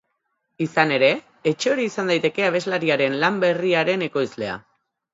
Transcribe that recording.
Izan ere, etxe hori izan daiteke abeslariaren lan berriaren ekoizlea.